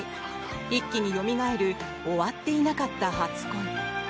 一気によみがえる終わっていなかった初恋。